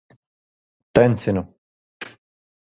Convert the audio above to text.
Tencinu.